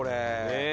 ねえ。